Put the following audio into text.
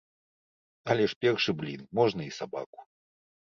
Але ж першы блін можна і сабаку.